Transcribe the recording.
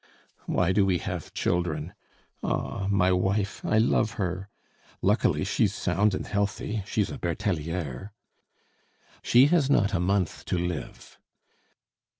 "Why do we have children? Ah! my wife, I love her! Luckily she's sound and healthy; she's a Bertelliere." "She has not a month to live."